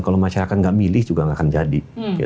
kalau masyarakat nggak milih juga nggak akan jadi